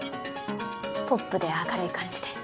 ポップで明るい感じで。